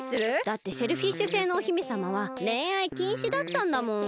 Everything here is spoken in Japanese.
だってシェルフィッシュ星のお姫さまはれんあいきんしだったんだもん。